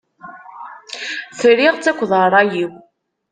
Friɣ-tt akked rray-iw.